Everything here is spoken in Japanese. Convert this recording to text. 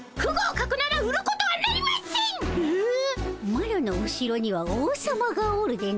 マロの後ろには王様がおるでの。